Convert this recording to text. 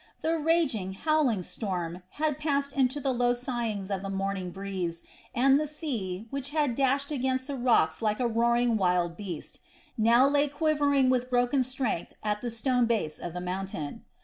The raging, howling storm had passed into the low sighing of the morning breeze, and the sea, which had dashed against the rocks like a roaring wild beast, now lay quivering with broken strength at the stone base of the mountain.